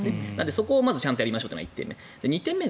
そこをまずちゃんとやりましょうが１点目。